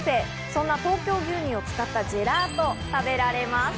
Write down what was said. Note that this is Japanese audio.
そんな東京牛乳を使ったジェラートが食べられます。